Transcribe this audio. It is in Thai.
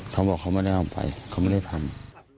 เขาบอกเขาไม่ได้เอาไปเขาไม่ได้ทำ